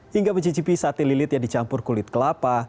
hingga mencicipi sate lilit yang dicampur kulit kelapa